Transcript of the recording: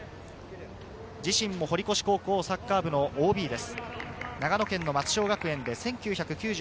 自身も堀越高校サッカー部ＯＢです。